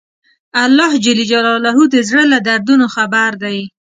الله د زړه له دردونو خبر دی.